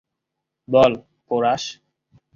বল, porous.